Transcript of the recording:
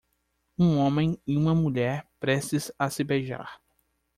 um homem e uma mulher prestes a se beijar